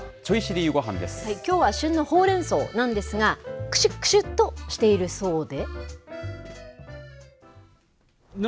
ゆう５飯きょうは旬のほうれんそうなんですが、くしゅっくしゅっとしているそうで。